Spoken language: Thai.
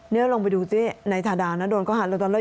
นี่ลองไปดูสิในฐาดานะโดนเขาหาลูกตอนนั้น